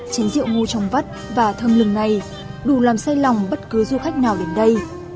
chén rượu ngô trồng vắt và thơm lừng này đủ làm say lòng bất cứ du khách nào đến đây